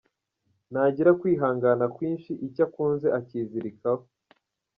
Ntagira kwihangana kwinshi, icyo akunze acyizirikaho.